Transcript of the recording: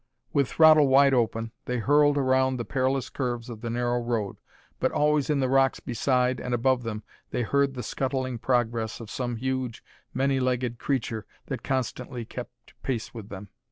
With throttle wide open they hurtled around the perilous curves of the narrow road, but always in the rocks beside and above them they heard the scuttling progress of some huge, many legged creature that constantly kept pace with them.